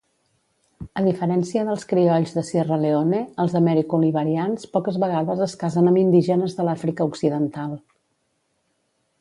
A diferència dels criolls de Sierra Leone, els americo-liberians poques vegades es casen amb indígenes de l'Àfrica Occidental.